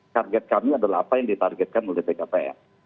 target kami adalah apa yang ditargetkan oleh bkpm